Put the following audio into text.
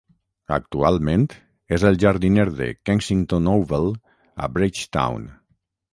Actualment és el jardiner de Kensington Oval a Bridgetown.